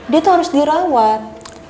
dia tuh harus dirawat